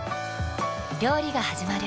料理がはじまる。